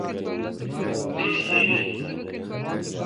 Bê Serî